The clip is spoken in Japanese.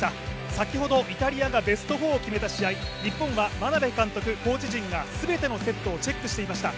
先ほどイタリアがベスト４を決めた試合日本は眞鍋監督、コーチ陣が全てのセットをチェックしていました。